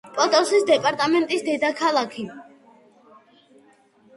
პოტოსის დეპარტამენტის დედაქალაქი.